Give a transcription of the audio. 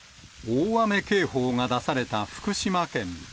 大雨警報が出された福島県。